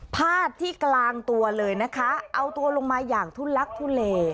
พาดที่กลางตัวเลยนะคะเอาตัวลงมาอย่างทุลักทุเล